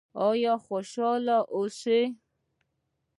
آیا خوشحاله اوسو؟